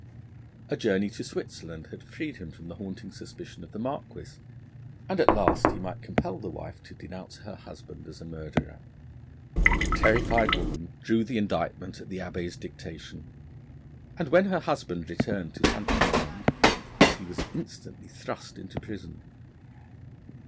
A journey to Switzerland had freed him from the haunting suspicion of the Marquis, and at last he might compel the wife to denounce her husband as a murderer. The terrified woman drew the indictment at the Abbé's dictation, and when her husband returned to St. Amand he was instantly thrust into prison.